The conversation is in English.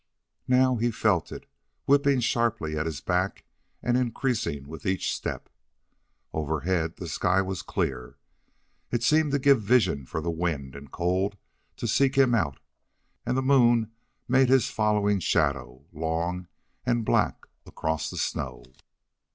Now he felt it whipping sharply at his back and increasing with each step. Overhead the sky was clear. It seemed to give vision for the wind and cold to seek him out, and the moon made his following shadow long and black across the snow.